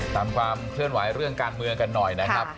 ความเคลื่อนไหวเรื่องการเมืองกันหน่อยนะครับ